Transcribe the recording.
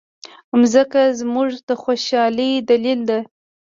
مځکه زموږ د خوشالۍ دلیل ده.